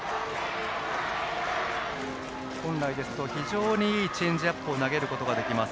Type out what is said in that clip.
本来ですと非常にいいチェンジアップを投げることができます